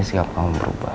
sikap kamu berubah